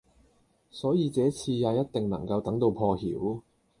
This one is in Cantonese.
所以這次也一定能等到破曉